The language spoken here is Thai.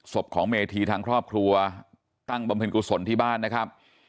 ศพของเมธีทางครอบครัวตั้งบำเพ็ญกุศลที่บ้านนะครับ